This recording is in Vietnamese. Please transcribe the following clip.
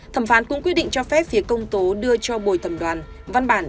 thẩm phán cũng quyết định cho phép phía công tố đưa cho bồi thẩm đoàn văn bản